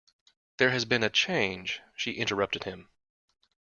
There has been a change, she interrupted him.